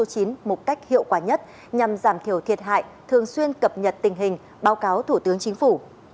đoàn công tác hiệu quả nhất nhằm giảm thiểu thiệt hại thường xuyên cập nhật tình hình báo cáo thủ tướng chính phủ